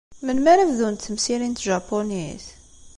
Melmi ara bdunt temsirin n tjapunit?